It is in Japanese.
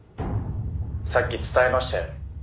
「さっき伝えましたよね」